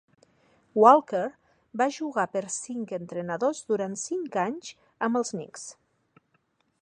Walker va jugar per cinc entrenadors durant cinc anys amb els Knicks.